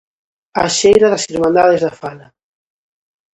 A xeira das Irmandades da Fala.